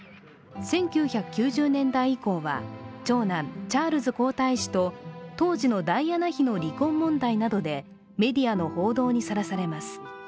１９９０年代以降は長男・チャールズ皇太子と当時のダイアナ妃の離婚問題などでメディアの報道にさらされます。